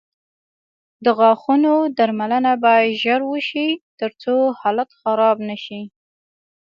د غاښونو درملنه باید ژر وشي، ترڅو حالت خراب نه شي.